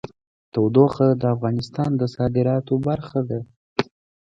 تودوخه د افغانستان د صادراتو برخه ده.